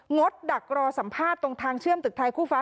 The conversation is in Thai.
ดักรอสัมภาษณ์ตรงทางเชื่อมตึกไทยคู่ฟ้า